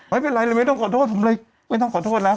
แนวทวิตเตอร์